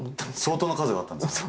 相当な数があったんですか？